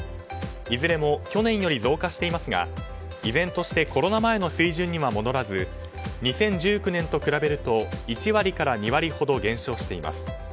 いずれも去年より増加していますが依然としてコロナ前の水準には戻らず２０１９年と比べると１割から２割ほど減少しています。